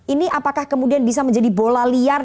ini apakah kemudian bisa menjadi bola liar